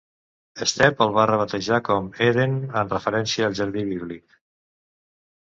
Stepp el va rebatejar com Eden en referència al jardí bíblic.